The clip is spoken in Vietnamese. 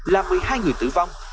là một mươi hai người tử vong